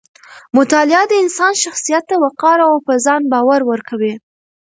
مطالعه د انسان شخصیت ته وقار او په ځان باور ورکوي.